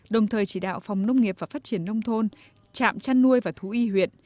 đồng thời chỉ đạo phòng nông nghiệp và phát triển nông thôn trạm chăn nuôi và thú y huyện